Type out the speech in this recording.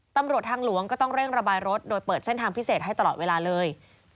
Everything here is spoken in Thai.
ตำรวจทางหลวงก็ต้องเร่งระบายรถโดยเปิดเส้นทางพิเศษให้ตลอดเวลาเลย